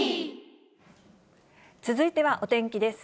続いてはお天気です。